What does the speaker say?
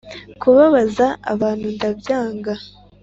kubabaza abantu ndabyanga